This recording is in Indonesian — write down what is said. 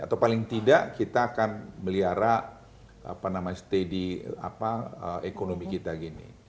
atau paling tidak kita akan melihara apa nama steady apa ekonomi kita gini